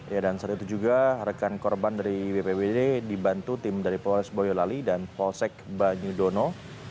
ya dan saat itu juga rekan korban dari bpwd dibantu tim dari polres boyolali dan polsek banyudono